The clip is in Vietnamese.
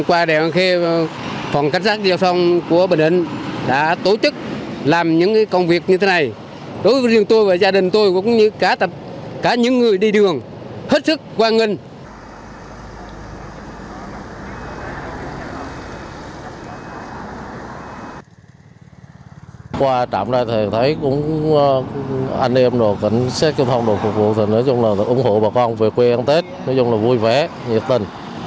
qua trạm ra thấy anh em cảnh sát giao thông công an tỉnh ủng hộ bà con về quê ăn tết vui vẻ nhiệt tình